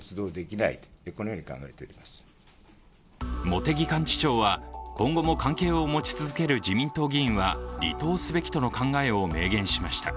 茂木幹事長は今後も関係を持ち続ける自民党議員は離党すべきとの考えを明言しました。